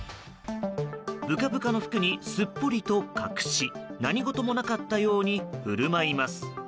ぶかぶかの服にすっぽりと隠し何事もなかったように振る舞います。